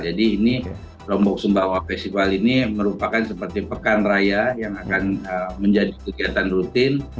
ini lombok sumbawa festival ini merupakan seperti pekan raya yang akan menjadi kegiatan rutin